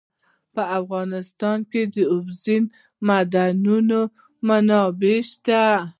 په افغانستان کې د اوبزین معدنونه منابع شته.